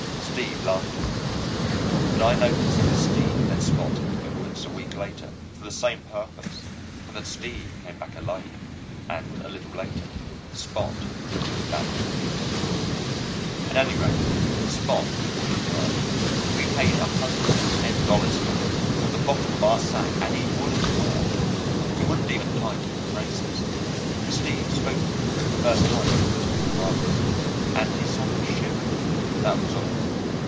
Steve laughed at me. But I notice that Steve led Spot into the woods, a week later, for the same purpose, and that Steve came back alone, and a little later Spot drifted back, too. At any rate, Spot wouldn't work. We paid a hundred and ten dollars for him from the bottom of our sack, and he wouldn't work. He wouldn't even tighten the traces. Steve spoke to him the first time we put him in harness, and he sort of shivered, that was all.